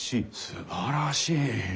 すばらしい。